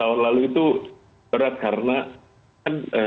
tahun lalu itu berat karena kan